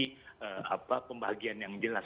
tapi ada pembahagian yang jelas